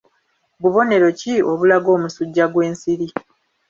Bubonero ki obulaga omusujja gw'ensiri?